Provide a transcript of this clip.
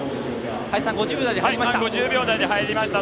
林さん、５０秒台で入りました。